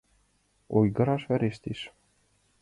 Ойгыраш верештеш.